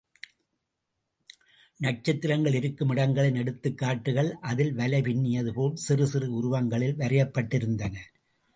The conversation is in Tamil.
நட்சத்திரங்கள் இருக்கும் இடங்களின் எடுத்துக்காட்டுக்கள் அதில்வலை பின்னியது போல் சிறுசிறு உருவங்களில் வரையப்பட்டிருந்தன.